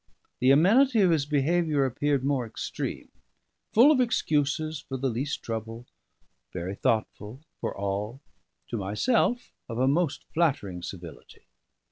The amenity of his behaviour appeared more extreme; full of excuses for the least trouble, very thoughtful for all; to myself, of a most flattering civility.